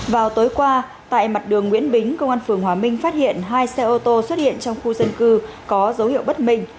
vào tối qua tại mặt đường nguyễn bính công an phường hòa minh phát hiện hai xe ô tô xuất hiện trong khu dân cư có dấu hiệu bất minh